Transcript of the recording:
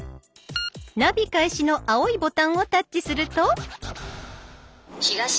「ナビ開始」の青いボタンをタッチすると。